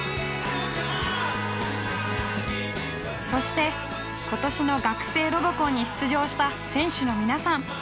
そして今年の学生ロボコンに出場した選手の皆さん。